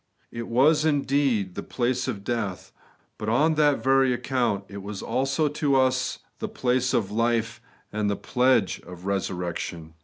It was, indeed, the place of death ; but on that very account it was also to us the place of life and the pledge of resurrection.